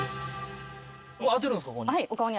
当てるんですかここに。